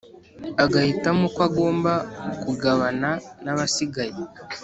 agahitamo uko agomba kugabana nabasigaye.